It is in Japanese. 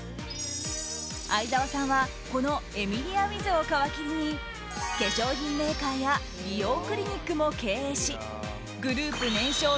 愛沢さんはこのエミリアウィズを皮切りに化粧品メーカーや美容クリニックも経営しグループ年商